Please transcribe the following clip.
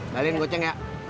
balikin goceng nyak